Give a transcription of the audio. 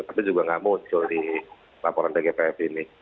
tapi juga nggak muncul di laporan tgpf ini